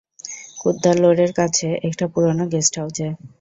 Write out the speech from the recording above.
কুদ্দালোরের কাছে, একটা পুরানো গেস্ট হাউসে।